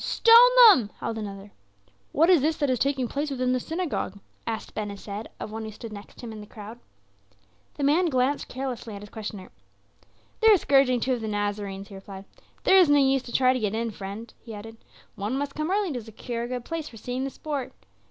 "Stone them!" howled another. "What is this that is taking place within the synagogue?" asked Ben Hesed of one who stood next him in the crowd. The man glanced carelessly at his questioner. "They are scourging two of the Nazarenes," he replied. "There is no use to try to get in, friend," he added. "One must come early to secure a good place for seeing the sport.